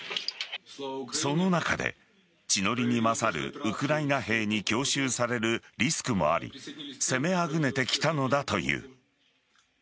その中で地の利に勝るウクライナ兵に強襲されるリスクもあり攻めあぐねてきたのだという。